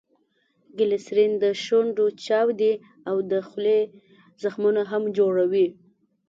ګلیسرین دشونډو چاودي او دخولې زخمونه هم جوړوي.